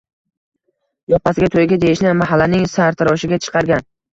– Yoppasiga to‘yga deyishni mahallaning sartaroshiga chiqargan